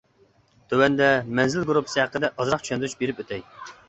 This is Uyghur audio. تۆۋەندە مەنزىل گۇرۇپپىسى ھەققىدە ئازراق چۈشەندۈرۈش بېرىپ ئۆتەي.